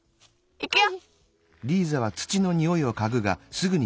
いくよ！